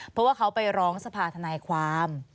เพราะว่าเขาไปร้องสภาธนายความ